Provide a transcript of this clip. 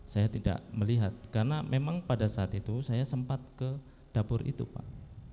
saya tidak melihat karena memang pada saat itu saya sempat ke dapur itu pak